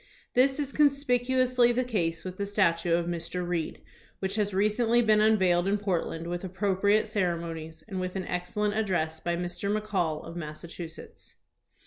This is conspicuously the case with the statue of Mr. Reed which has recently been unveiled in Portland with appropriate ceremonies and with an excellent address by Mr. McCall, of Massa chusetts.